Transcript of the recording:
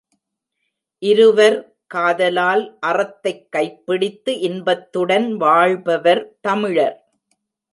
இருவர், காதலால் அறத்தைக் கைப்பிடித்து இன்பத்துடன் வாழ்பவர் தமிழர்.